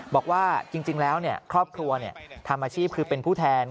บอกว่าจริงแล้วครอบครัวทำอาชีพคือเป็นผู้แทน